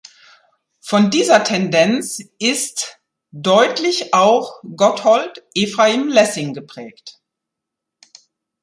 Von dieser Tendenz ist deutlich auch Gotthold Ephraim Lessing geprägt.